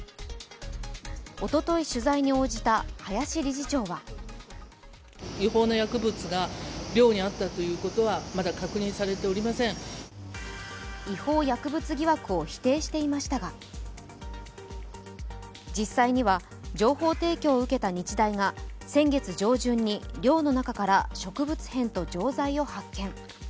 おととい取材に応じた林理事長は違法薬物疑惑を否定していましたが、実際には情報提供を受けた日大が先月上旬に寮の中から植物片と錠剤を発見。